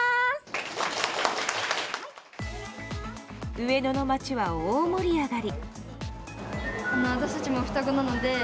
上野の街は大盛り上がり。